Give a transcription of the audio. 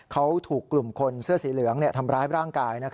เขาถูกกลุ่มคนเสื้อสีเหลืองทำร้ายร่างกาย